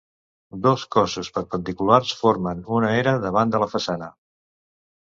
Dos cossos perpendiculars formen una era davant de la façana.